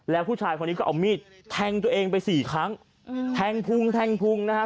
และผู้ชายคนนี้ก็เอามีดแทงตัวเองไป๔ครั้งแทงพุงนะฮะ